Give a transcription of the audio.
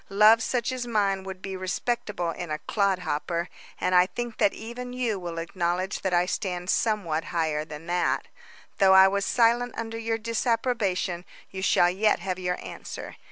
Love such as mine would be respectable in a clod hopper, and I think that even you will acknowledge that I stand somewhat higher than that. Though I was silent under your disapprobation, you shall yet have your answer.